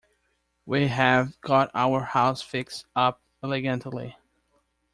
We have got our house fixed up elegantly.